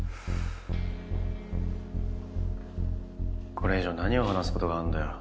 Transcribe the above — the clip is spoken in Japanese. これ以上何を話すことがあんだよ？